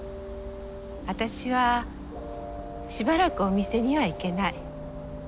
私はしばらくお店には行けない。